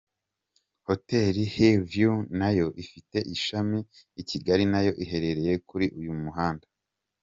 Hoteli HillView nayo ifite ishami I Kigali nayo iherereye kuri uyu muhanda.